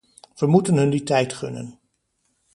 Wij moeten hun die tijd gunnen.